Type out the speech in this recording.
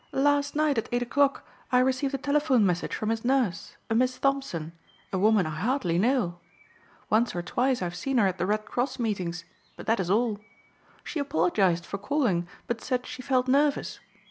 "Last night at eight o'clock I received a telephone message from his nurse, a Miss Thompson, a woman I hardly know. Once or twice I have seen her at the Red Cross meetings but that is all. She apologized for calling but said she felt nervous.